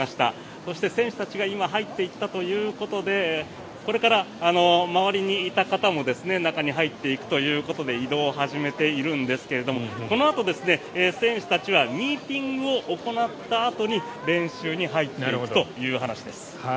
そして選手たちが今入っていったということでこれから周りにいた方も中に入っていくということで移動を始めているんですがこのあと、選手たちはミーティングを行ったあとに練習に入っていくという話です。